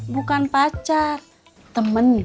bukan pacar temen